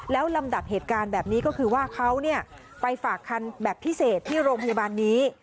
แล้วลำดับเหตุการณ์แบบนี้ก็คือว่าเขาไปฝากคันแบบพิเศษที่โรงพยาบาลนี้